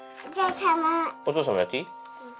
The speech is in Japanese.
お父さんもやっていい？